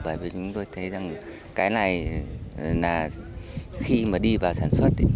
bởi vì chúng tôi thấy rằng cái này là khi mà đi vào sản xuất